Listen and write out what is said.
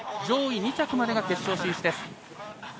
上位２着までが決勝進出です。